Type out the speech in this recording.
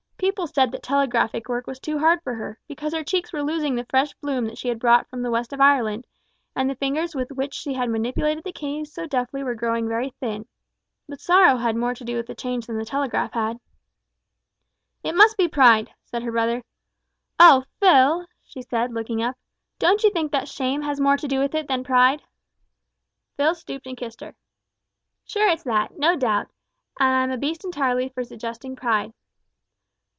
People said that telegraphic work was too hard for her, because her cheeks were losing the fresh bloom that she had brought from the west of Ireland, and the fingers with which she manipulated the keys so deftly were growing very thin. But sorrow had more to do with the change than the telegraph had. "It must be pride," said her brother. "Oh! Phil," she said, looking up, "don't you think that shame has more to do with it than pride?" Phil stooped and kissed her. "Sure it's that, no doubt, and I'm a beast entirely for suggesting pride."